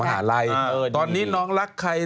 หาลัยตอนนี้น้องรักใคร